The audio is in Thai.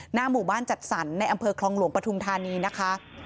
หน้าหมู่บ้านจัดสรรในอำเภอคลองหลวงปฐุมธานีนะคะ